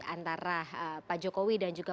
antara pak jokowi dan juga